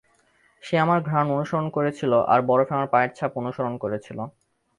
সে আমার ঘ্রাণ অনুসরণ করেছিল, আর বরফে আমার পায়ের ছাপ অনুসরণ করেছিল।